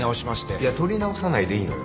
いや取り直さないでいいのよ。